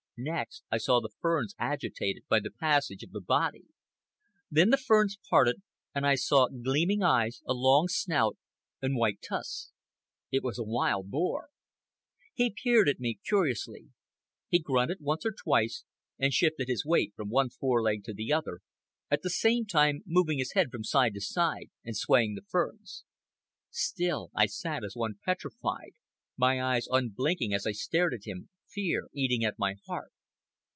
Next I saw the ferns agitated by the passage of the body. Then the ferns parted, and I saw gleaming eyes, a long snout, and white tusks. It was a wild boar. He peered at me curiously. He grunted once or twice and shifted his weight from one foreleg to the other, at the same time moving his head from side to side and swaying the ferns. Still I sat as one petrified, my eyes unblinking as I stared at him, fear eating at my heart.